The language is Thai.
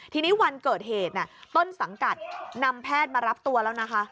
ทีนี้วันเกิดเหตุต้นสังกัดนำแพทย์มารับตัวแล้วนะคะ